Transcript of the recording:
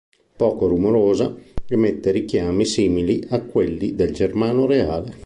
Poco rumorosa, emette richiami simili a quelli del germano reale.